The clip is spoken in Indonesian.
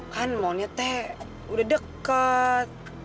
kan molite udah deket